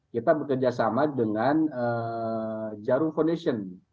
kita bekerjasama dengan jarum foundation